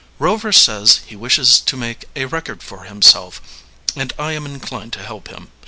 "Rover says he wishes to make a record for himself, and I am inclined to help him.